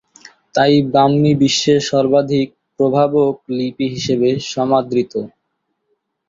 তাই ব্রাহ্মী বিশ্বের সর্বাধিক প্রভাবক লিপি হিসেবে সমাদৃত।